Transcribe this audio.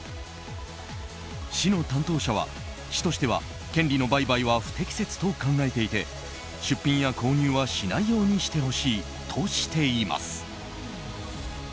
市の担当者は、市としては権利の売買は不適切と考えていて出品や購入はしないようにしてほしいとしています。